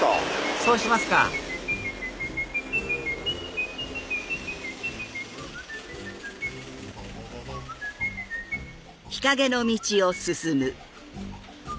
そうしますかおっ！